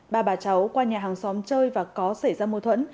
ba bà cháu qua nhà hàng xóm chơi và có xảy ra mâu thuẫn